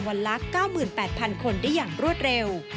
วันลัก๙๘๐๐๐คนได้อย่างรวดเร็ว